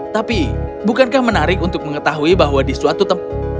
tapi bukankah menarik untuk mengetahui bahwa di suatu tempat